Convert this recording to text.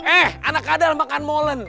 eh anak kadal makan molen